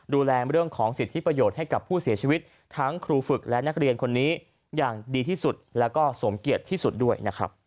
ดูแลเรื่องของสิทธิประโยชน์ให้กับผู้เสียชีวิตทั้งครูฝึกและนักเรียนคนนี้อย่างดีที่สุดแล้วก็สมเกียจที่สุดด้วยนะครับ